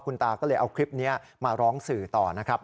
คุณตาก็เลยเอาคลิปนี้มาร้องสื่อต่อนะครับ